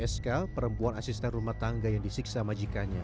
sk perempuan asisten rumah tangga yang disiksa majikanya